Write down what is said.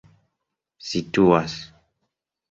situas